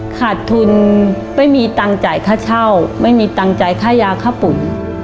ขาดทุนไม่มีตังค์จ่ายค่าเช่าไม่มีตังค์จ่ายค่ายาค่าปุ่น